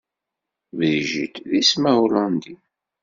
Brigitte d isem ahulandi.